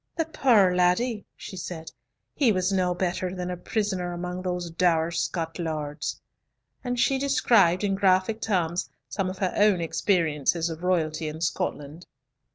"The poor laddie," she said, "he was no better than a prisoner among those dour Scots lords," and she described in graphic terms some of her own experiences of royalty in Scotland.